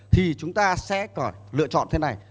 thì chúng ta sẽ có lựa chọn thế này